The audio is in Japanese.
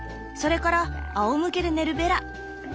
それからあおむけで寝るベラ！